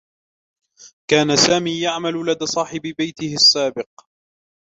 كان سامي يعمل لدى صاحب بيته السابق.